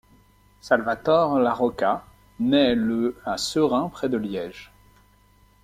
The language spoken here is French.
Salvatore La Rocca naît le à Seraing, près de Liège.